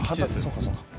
「そうかそうか」